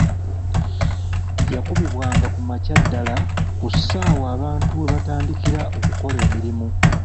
Yakubibwanga ku makya ddala ku ssaawa abantu we batandikira okukola emirimu.